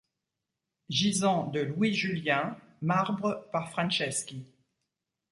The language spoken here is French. Gisant de Louis Julien, marbre par Franceschi.